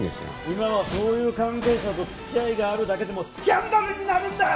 今はそういう関係者と付き合いがあるだけでもスキャンダルになるんだ！